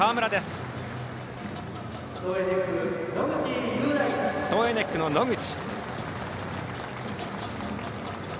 トーエネックの野口。